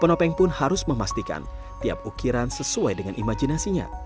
penopeng pun harus memastikan tiap ukiran sesuai dengan imajinasinya